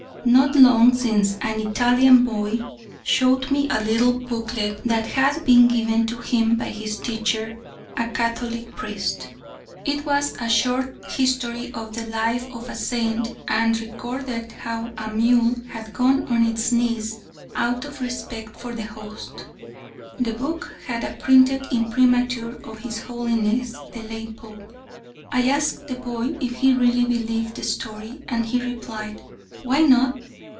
Not long since an Italian boy showed me a little booklet that had been given to him by his teacher, a Catholic priest. It was a short history of the life of a saint, and recorded how a mule had gone on its knees out of respect for the "Host." The book had the printed imprimatur of his Holiness the late Pope. I asked the boy if he really believed the story, and he replied, "Why not?"